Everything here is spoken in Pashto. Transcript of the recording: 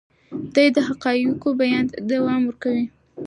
دی د حقایقو بیان ته دوام ورکوي.